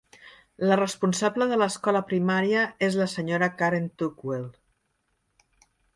La responsable de l'escola primària és la senyora Karen Tuckwell.